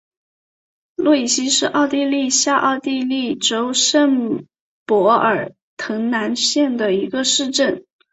洛伊希是奥地利下奥地利州圣帕尔滕兰县的一个市镇。